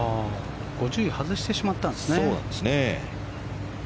５０位を外してしまったんですね。